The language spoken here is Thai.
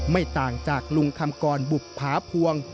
ไม่ต่างจากลุงคำกรบุภาพวง